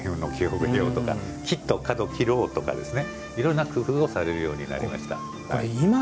角を切ろうとか、いろんな工夫をされるようになりました。